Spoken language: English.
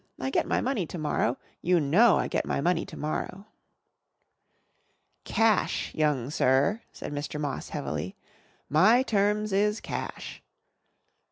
"I get my money to morrow. You know I get my money to morrow." "Cash, young sir," said Mr. Moss heavily. "My terms is cash.